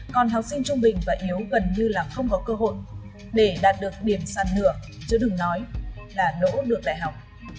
còn học sinh trung bình và yếu gần như là không có cơ hội để đạt được điểm sàn lửa chứ đừng nói là đỗ được đại học